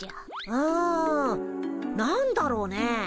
うん何だろうね？